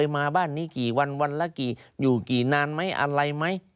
มาบ้านนี้ก่อนอยู่มากี่วันอยู่นานไหมอะไรไหม